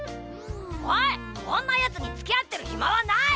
おいこんなヤツにつきあってるヒマはない！